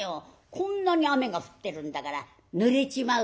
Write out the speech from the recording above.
こんなに雨が降ってるんだからぬれちまうぜ」。